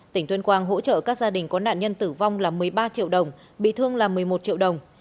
tỉnh tuyên quang hỗ trợ các gia đình có nạn nhân tử vong là một mươi ba triệu đồng bị thương là một mươi một triệu đồng